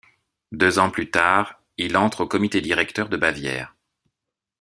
Deux ans plus tard, il entre au comité directeur de Bavière.